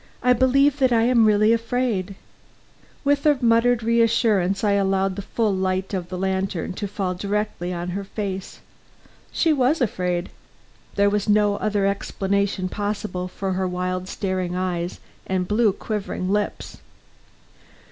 I believe that I am really afraid." With a muttered reassurance, I allowed the full light of the lantern to fall directly on her face. She was afraid. There was no other explanation possible for her wild staring eyes and blue quivering lips.